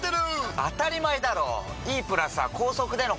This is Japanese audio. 当たり前だろ。